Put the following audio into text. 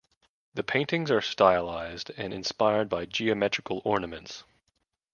The paintings are stylised and inspired by geometrical ornaments.